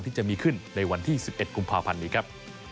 ที่จะมีขึ้นในวันที่๑๑กุมภาพันธ์นี้ครับ